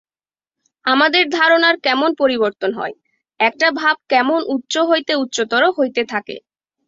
আমাদের ধারণার কেমন পরিবর্তন হয়! একটা ভাব কেমন উচ্চ হইতে উচ্চতর হইতে থাকে।